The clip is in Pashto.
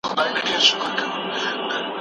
خیر محمد به هره ورځ د نوي امید سره له کوره راوځي.